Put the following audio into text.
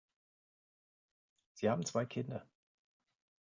Sie haben zwei Kinder.